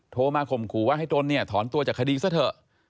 โทรมาข่มขู่ว่าให้ตนเนี่ยถอนตัวจากคดีซะเถอะ